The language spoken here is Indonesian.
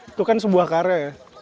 itu kan sebuah karya ya